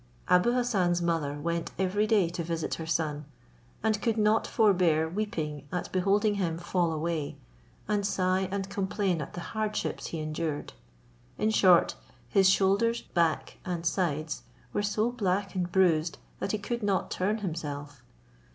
Abou Hassan's mother went every day to visit her son, and could not forbear weeping at beholding him fall away, and sigh and complain at the hardships he endured. In short, his shoulders, back, and sides were so black and bruised, that he could not turn himself.